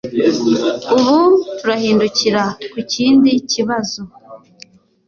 Ubu turahindukira kukindi kibazo.